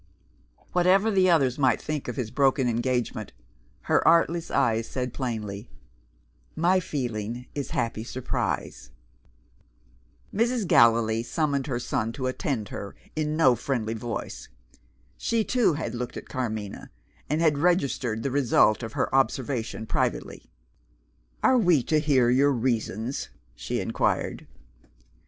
Whatever the others might think of his broken engagement, her artless eyes said plainly, "My feeling is happy surprise." Mrs. Gallilee summoned her son to attend her, in no friendly voice. She, too, had looked at Carmina and had registered the result of her observation privately. "Are we to hear your reasons?" she inquired.